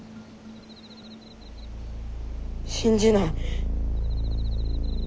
信じない。